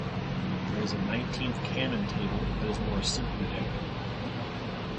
There is a nineteenth canon table that is more simply decorated.